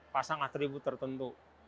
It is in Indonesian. pasang atribut tertentu